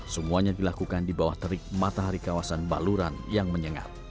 semuanya dilakukan di bawah terik matahari kawasan baluran yang menyengat